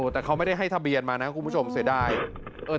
แต่เขาไม่ได้ให้ทะเบียนมานะคุณผู้ชมเสียดาย